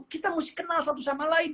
kita mesti kenal satu sama lain